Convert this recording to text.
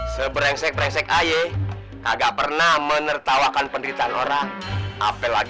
seberengsek berengsek aie agak pernah menertawakan penderitaan orang apel lagi